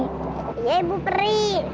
iya ibu peri